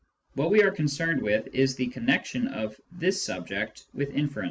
What we are concerned with is the connection of this subject with inference.